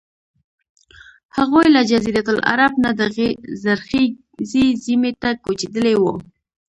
هغوی له جزیرة العرب نه دغې زرخیزې سیمې ته کوچېدلي وو.